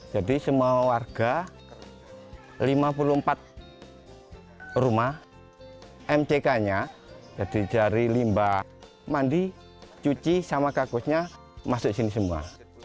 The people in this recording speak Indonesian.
jadi semua warga lima puluh empat rumah mck nya jadi dari limbah mandi cuci sama kakusnya masuk sini semua